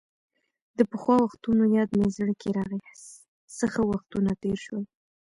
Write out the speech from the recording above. د پخوا وختونو یاد مې زړه کې راغۍ، څه ښه وختونه تېر شول.